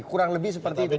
kurang lebih seperti itu